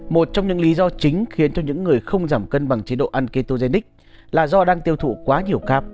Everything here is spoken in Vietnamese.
một trong những lý do chính khiến cho những người không giảm cân bằng chế độ ăn ketogenic là do đang tiêu thụ quá nhiều cáp